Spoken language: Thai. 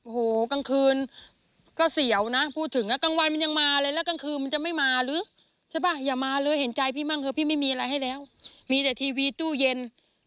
โหกลางคืนก็เสียวนะพูดถึงโยกลังวานก็ยังมาแล้วโหกลางคืนก็เสียวนะพูดถึงโยกลางคืนก็เสียวนะพูดถึง